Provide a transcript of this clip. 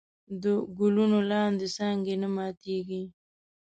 د ګلونو لاندې څانګه نه ماتېږي.